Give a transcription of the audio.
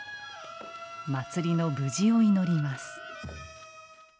祭りの無事を祈ります。